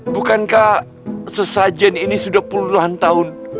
bukankah sesajen ini sudah puluhan tahun